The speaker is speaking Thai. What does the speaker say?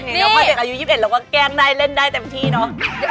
พอเด็กอายุ๒๑แล้วก็แกล้งได้เล่นได้เต็มที่เนอะ